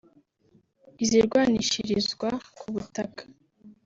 izirwanishirizwa ku butaka